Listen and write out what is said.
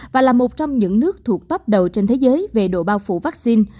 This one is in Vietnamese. và là một trong những nước thuộc tóp đầu trên thế giới về độ bao phủ vaccine